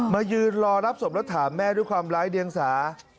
มายืนรอรับศพแล้วถามแม่ด้วยความร้ายเดียงสา